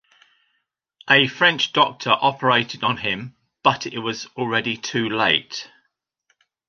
A French doctor operated on him, but it was already too late.